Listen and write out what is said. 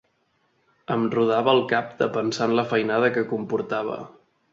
Em rodava el cap de pensar en la feinada que comportava